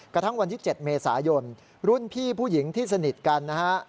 กระทั่งวันที่๗เมษายนรุ่นพี่ผู้หญิงที่สนิทกันนะฮะ